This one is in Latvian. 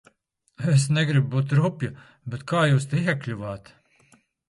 Es negribu būt rupja, bet kā jūs te iekļuvāt?